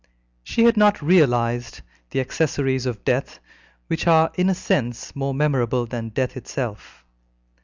She had not realized the accessories of death, which are in a sense more memorable than death itself.